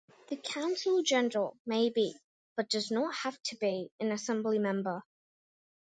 The Counsel General may be, but does not have to be, an Assembly Member.